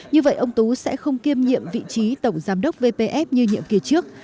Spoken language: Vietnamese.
như vậy ông tú sẽ không kiêm nhiệm vị trí tổng giám đốc vpf như nhiệm kỳ trước